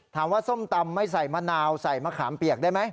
ส้มตำไม่ใส่มะนาวใส่มะขามเปียกได้ไหม